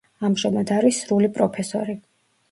ამჟამად არის სრული პროფესორი.